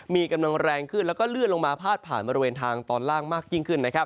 มีกำลังแรงขึ้นแล้วก็เลื่อนลงมาพาดผ่านบริเวณทางตอนล่างมากยิ่งขึ้นนะครับ